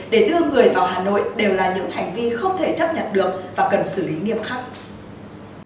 để đưa người vào hà nội đều là những hành vi không thể chấp nhận được và cần xử lý nghiêm khắc